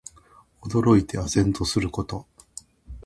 驚いて呆然とすること。